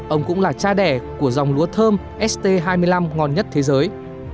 ông cũng là cha đẻ của dòng lúa thơm st hai mươi năm ngon nhất thế giới